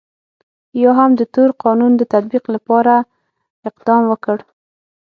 یا هم د تور قانون د تطبیق لپاره اقدام وکړ.